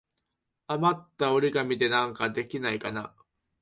あまった折り紙でなんかできないかな。